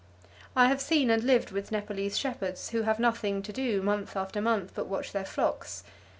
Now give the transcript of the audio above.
I have seen and lived with Nepalese shepherds who have nothing to do month after month but watch their flocks.